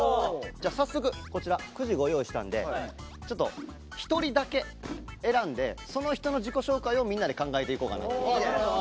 じゃあ早速こちらクジご用意したんでちょっと１人だけ選んでその人の自己紹介をみんなで考えていこうかなと。